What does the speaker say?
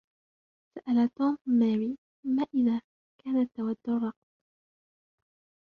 سأل "توم" "ماري" ما إذا كانت تود الرقص